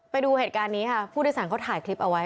ไปดูเหตุการณ์นี้ค่ะผู้โดยสารเขาถ่ายคลิปเอาไว้